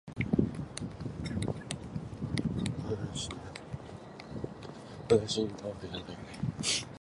飼い主に似るって言うけど、わたしに似たんじゃないよね？